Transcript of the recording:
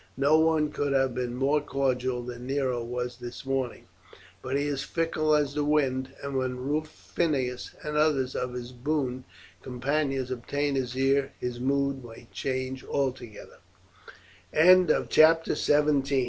No one could have been more cordial than Nero was this morning; but he is fickle as the wind, and when Rufinus and others of his boon companions obtain his ear his mood may change altogether."